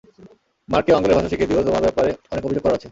মার্ককেও আঙ্গুলের ভাষা শিখিয়ে দিও, তোমার ব্যাপারে অনেক অভিযোগ করার আছে।